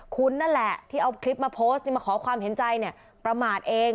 คุณนั่นแหละที่เอาคลิปมาโพสต์นี่มาขอความเห็นใจเนี่ยประมาทเอง